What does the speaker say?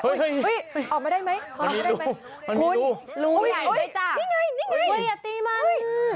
เฮ้ยออกมาได้ไหมออกมาได้ไหมคุณรู้ไหมจ้ะนี่ไงนี่ไง